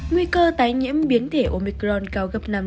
nguy cơ tái nhiễm biến thể omicron cao gấp năm